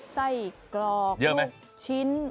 ใส่กรอกลูกชิ้น